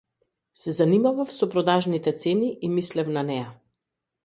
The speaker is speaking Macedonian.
Се занимавав со продажните цени и мислев на неа.